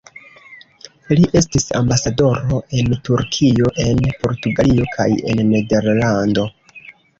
Li estis ambasadoro en Turkio, en Portugalio kaj en Nederlando.